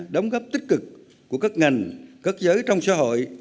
đóng góp tích cực của các ngành các giới trong xã hội